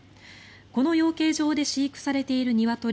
この養鶏場で飼育されている鶏